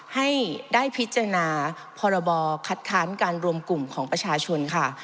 ให้ได้พิจารณาพรบคัดค้านการรวมกลุ่มของประชาชนค่ะ